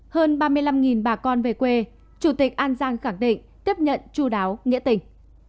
hơn ba mươi năm bà con về quê chủ tịch an giang khẳng định tiếp nhận chú đáo nghĩa tình